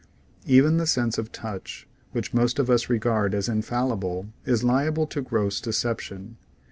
Even the sense of touch, which most of us regard as infallible, is liable to gross deception.